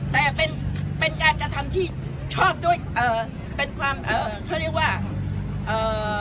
แต่เป็นเป็นการกระทำที่ชอบด้วยเอ่อเป็นความเอ่อเขาเรียกว่าเอ่อ